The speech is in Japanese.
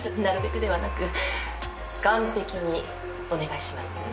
なるべくではなく完璧にお願いします。